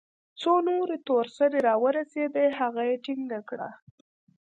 څو نورې تور سرې راورسېدې هغه يې ټينګه كړه.